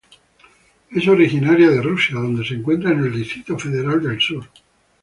Es originaria de Rusia donde se encuentra en el Distrito federal del Sur.